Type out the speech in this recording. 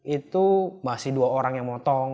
itu masih dua orang yang motong